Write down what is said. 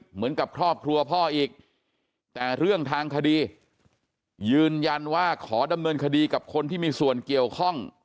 เหมือนกับครอบครัวพ่ออีกแต่เรื่องทางคดียืนยันว่าขอดำเนินคดีกับคนที่มีส่วนเกี่ยวข้อง